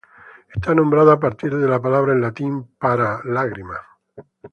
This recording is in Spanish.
Está nombrado a partir de la palabra en latín para "lágrima".